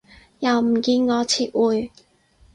又唔見我撤回